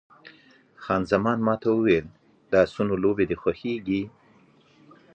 خان زمان ما ته وویل، د اسونو لوبې دې خوښېږي؟